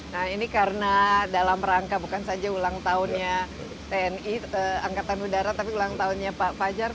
nah ini karena dalam rangka bukan saja ulang tahunnya tni angkatan udara tapi ulang tahunnya pak fajar